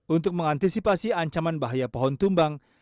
untuk mengantisipasi ancaman bahaya pohon tumbang